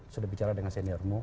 sudah bicara dengan seniormu